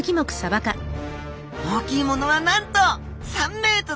大きいものはなんと３ｍ！